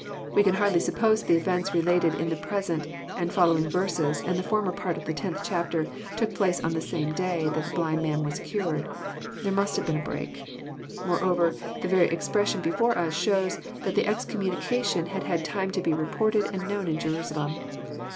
We can hardly suppose that the events related in the present and following verses, and the former part of the tenth chapter, took place on the same day that the blind man was cured. There must have been a break. Moreover the very expressioi) before us shows that the excommunication had had time to be reported and known in Jerusalem.